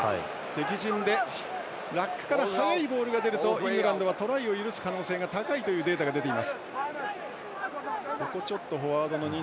敵陣でラックから速いボールが出るとイングランドはトライを許す可能性が高いというデータが出ています。